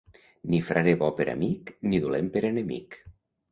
Ni frare bo per amic, ni dolent per enemic.